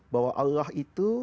bahwa allah itu